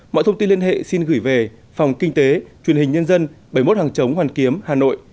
mọi thông tin liên hệ xin gửi về phòng kinh tế truyền hình nhân dân bảy mươi một hàng chống hoàn kiếm hà nội